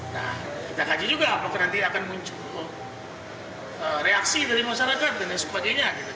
nah kita kaji juga apakah nanti akan muncul reaksi dari masyarakat dan lain sebagainya